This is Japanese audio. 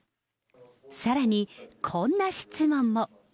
さらにこんな質問も。